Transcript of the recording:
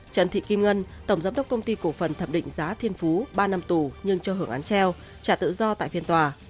trần thị kim ngân tổng giám đốc công ty cổ phần thẩm định giá thiên phú ba năm tù nhưng cho hưởng án treo trả tự do tại phiên tòa